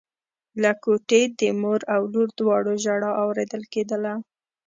له کوټې د مور او لور دواړو ژړا اورېدل کېدله.